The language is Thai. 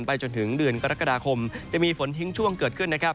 จนถึงเดือนกรกฎาคมจะมีฝนทิ้งช่วงเกิดขึ้นนะครับ